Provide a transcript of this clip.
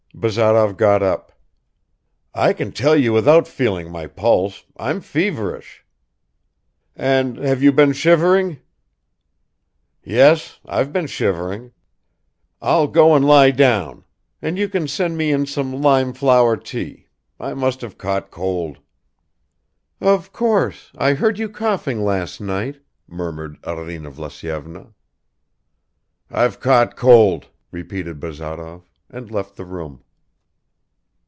Bazarov got up. "I can tell you without feeling my pulse, I'm feverish." "And have you been shivering?" "Yes, I've been shivering. I'll go and lie down; and you can send me in some lime flower tea. I must have caught cold." "Of course, I heard you coughing last night," murmured Arina Vlasyevna. "I've caught cold," repeated Bazarov, and left the room.